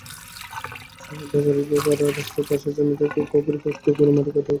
সাহা ব্যাপারীপাড়া রাস্তার পাশের জমি থেকেও গভীর গর্ত করে মাটি কাটা হচ্ছে।